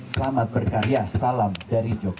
selamat berkarya salam dari jokowi